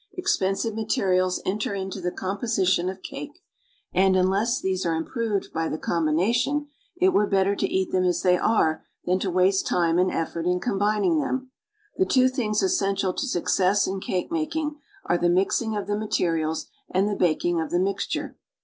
Expensive materials enter into the composition of cake and, unless these are improved by the combination, it were better to eat them as tliey are than to waste time and effort in combining them. The two things essential to success in cake making are the mixing of the materials and the baking of the mixture.